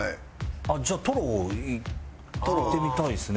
じゃあトロいってみたいですね。